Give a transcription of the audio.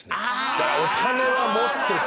だからお金は持ってて。